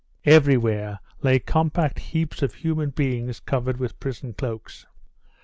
Everywhere lay compact heaps of human beings covered with prison cloaks.